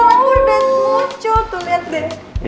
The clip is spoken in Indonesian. waduh lucu tuh liat deh